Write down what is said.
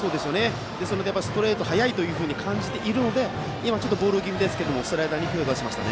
ですのでストレートが速いと感じているので、ちょっとボール気味でしたけれどもスライダーに手を出しました。